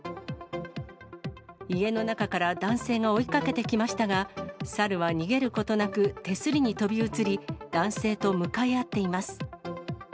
家の中から男性が追いかけてきましたが、サルは逃げることなく、手すりに飛び移り、男性と向かい合っています。